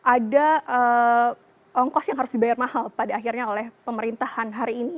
ada ongkos yang harus dibayar mahal pada akhirnya oleh pemerintahan hari ini